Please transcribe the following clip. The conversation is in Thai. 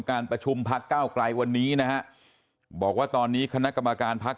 การประชุมพักเก้าไกลวันนี้นะฮะบอกว่าตอนนี้คณะกรรมการพัก